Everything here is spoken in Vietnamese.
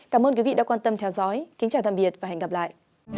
cảm ơn quý vị đã quan tâm theo dõi kính chào tạm biệt và hẹn gặp lại